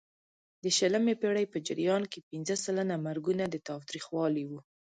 د شلمې پېړۍ په جریان کې پینځه سلنه مرګونه د تاوتریخوالي وو.